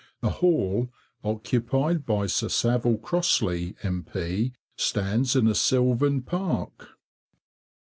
The hall, occupied by Sir Savile Crossley, M.P., stands in a sylvan park.